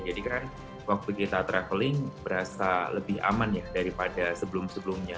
jadi kan waktu kita traveling berasa lebih aman ya daripada sebelum sebelumnya